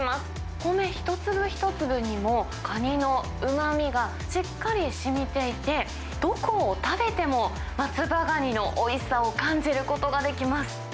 米一粒一粒にも、かにのうまみがしっかりしみていて、どこを食べても、松葉がにのおいしさを感じることができます。